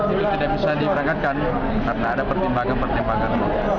itu tidak bisa diberangkatkan karena ada pertimbangan pertimbangan